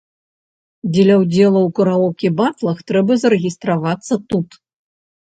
Дзеля ўдзелу ў караоке-батлах трэба зарэгістравацца тут.